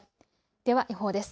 では予報です。